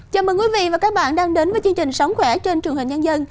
chào mừng quý vị và các bạn đang đến với chương trình sống khỏe trên trường hình nhân dân